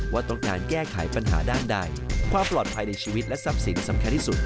ว่าต้องการแก้ไขปัญหาด้านใดความปลอดภัยในชีวิตและทรัพย์สินสำคัญที่สุด